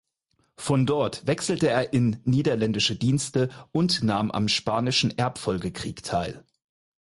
Von dort wechselte er in niederländische Dienste und nahm am Spanischen Erbfolgekrieg teil.